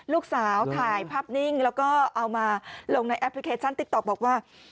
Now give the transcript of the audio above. ลูกสาวถ่ายภาพนิ่งแล้วก็เอามาลงในแอปพลิเคชันติ๊กต๊อกบอกว่า